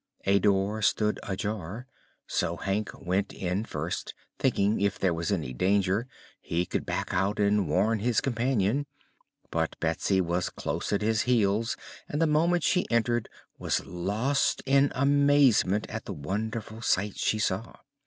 A door stood ajar, so Hank went in first, thinking if there was any danger he could back out and warn his companion. But Betsy was close at his heels and the moment she entered was lost in amazement at the wonderful sight she saw.